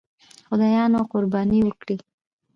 خدایانو قرباني وکړي.